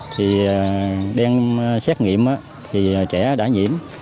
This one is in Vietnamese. thì đem xét nghiệm thì trẻ đã nhiễm